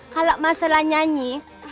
kalau masalah nyanyi